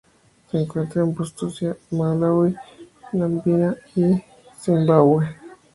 Se encuentra en Botsuana Malaui, Namibia y Zimbabue.